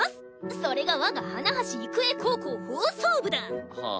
それが我が花橋育栄高校放送部だ！はあ。